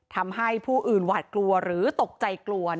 ทำให้ผู้อื่นหวาดกลัวหรือตกใจกลัว